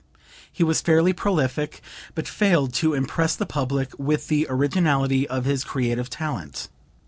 He was fairly prolific, but failed to impress the public with the originality of his creative talent.